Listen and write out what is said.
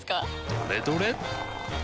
どれどれっ！